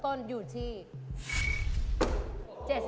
เบ๊กเองก็ยินมา